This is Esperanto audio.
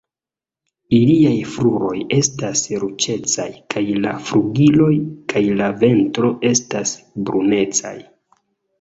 Iliaj kruroj estas ruĝecaj kaj la flugiloj kaj la ventro estas brunecaj.